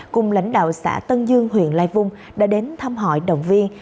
cùng lãnh đạo xã tân dương huyện lai vung đã đến thăm hỏi động viên